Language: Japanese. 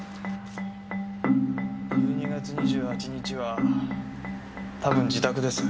１２月２８日はたぶん自宅です。